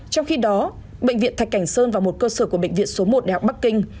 trong khi đó bệnh viện thạch cảnh sơn và một cơ sở của bệnh viện số một đại học bắc kinh